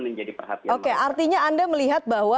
menjadi perhatian oke artinya anda melihat bahwa